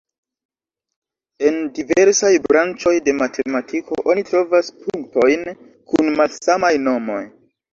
En diversaj branĉoj de matematiko oni trovas punktojn kun malsamaj nomoj.